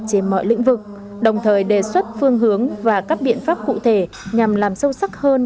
trên mọi lĩnh vực đồng thời đề xuất phương hướng và các biện pháp cụ thể nhằm làm sâu sắc hơn